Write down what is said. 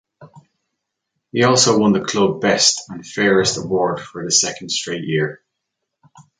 He also won the club best and fairest award for the second straight year.